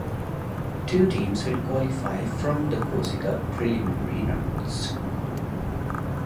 Two teams will qualify from the Corsica preliminary rounds.